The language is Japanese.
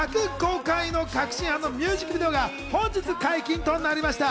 回の確信犯』のミュージックビデオが本日解禁となりました。